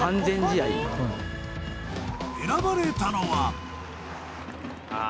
選ばれたのは。